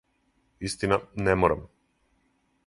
Истина, не морам.